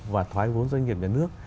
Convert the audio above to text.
và thoái vốn doanh nghiệp nhà nước